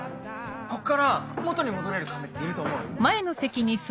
こっから元に戻れる亀っていると思う？